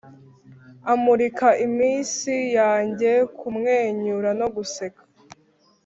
amurika iminsi yanjye kumwenyura no guseka.